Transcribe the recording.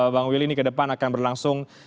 bang willy ini ke depan akan berlangsung